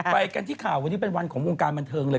ไปกันที่ข่าววันนี้เป็นวันของวงการบันเทิงเลย